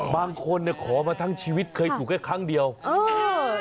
บางคนเนี่ยขอมาทั้งชีวิตเคยถูกแค่ครั้งเดียวเออ